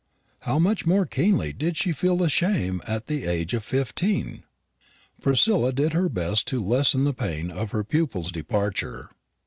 How much more keenly did she feel the shame at the age of fifteen! Priscilla did her best to lessen the pain of her pupil's departure.